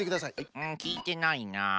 うんきいてないな。